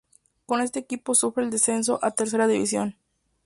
Con este equipo sufre el descenso a Tercera División.